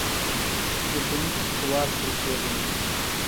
زده کوونکي دې په وار سره شعر ولولي.